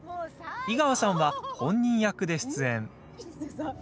井川さんは、本人役で出演。